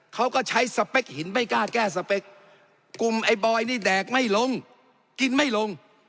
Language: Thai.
เขาก็ใช้สเปคหินไม่กล้าแก้สเปคกลุ่มไอ้บอยนี่แดกไม่ลงกินไม่ลง